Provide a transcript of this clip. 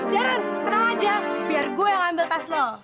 darren tenang aja biar gue yang ambil tas lo